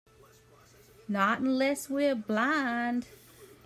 Not unless we're blind.